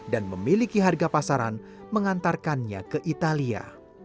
dan memiliki harga pasaran mengantarkannya ke italia